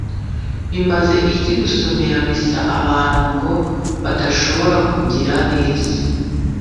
bimaze iki gusomera misa abantu ngo badashobora kugira neza